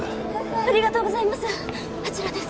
ありがとうございます